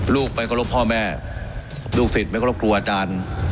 ลูกเป็นครอบครัวพ่อแม่ลูกสิทธิ์เป็นครอบครัวอาจารย์